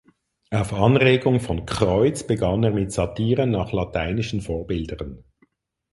Auf Anregung von Creutz begann er mit Satiren nach lateinischen Vorbildern.